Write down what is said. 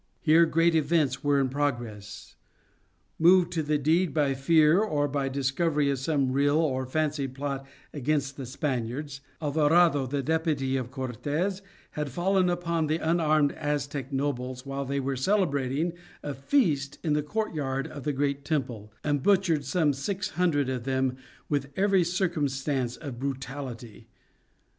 Here great events were in progress. Moved to the deed by fear or by the discovery of some real or fancied plot against the Spaniards, Alvarado, the deputy of Cortes, had fallen upon the unarmed Aztec nobles while they were celebrating a feast in the courtyard of the great temple, and butchered some six hundred of them with every circumstance of brutality.